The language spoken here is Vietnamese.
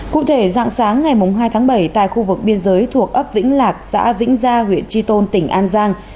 cụ thể dạng sáng ngày hai tháng bảy tại khu vực biên giới thuộc ấp vĩnh lạc xã vĩnh gia huyện tri tôn tỉnh an giang